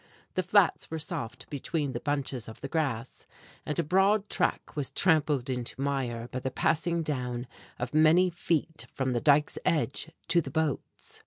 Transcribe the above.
The flats were soft between the bunches of the grass, and a broad track was trampled into mire by the passing down of many feet from the dike's edge to the boats.